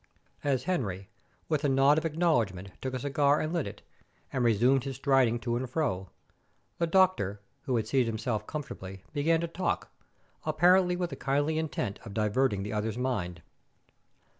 As Henry with a nod of acknowledgment took a cigar and lit it, and resumed his striding to and fro, the doctor, who had seated himself comfortably, began to talk, apparently with the kindly intent of diverting the other's mind.